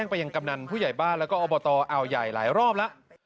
ไปยังกำนันผู้ใหญ่บ้านแล้วก็อบตอ่าวใหญ่หลายรอบแล้ว